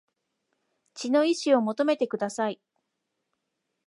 血の遺志を求めてください